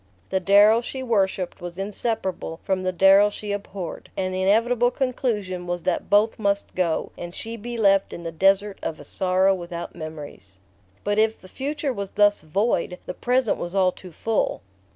The Darrow she worshipped was inseparable from the Darrow she abhorred; and the inevitable conclusion was that both must go, and she be left in the desert of a sorrow without memories... But if the future was thus void, the present was all too full.